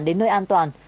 đến nơi an toàn